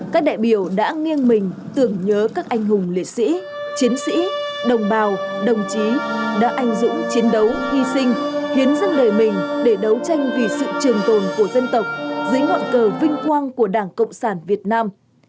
các đại biểu đã nghiêng mình tưởng nhớ các anh hùng liệt sĩ chiến sĩ đồng bào đồng chí đã anh dũng chiến đấu hy sinh hiến dâng đời mình để đấu tranh vì sự trường tồn của dân tộc dưới ngọn cờ vinh quang của đảng cộng sản việt nam